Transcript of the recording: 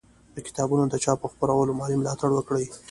د کتابونو د چاپ او خپرولو مالي ملاتړ وکړئ